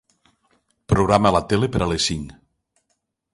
Programa la tele per a les cinc.